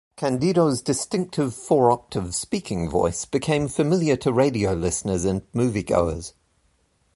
Candido's distinctive, four-octave speaking voice became familiar to radio listeners and moviegoers.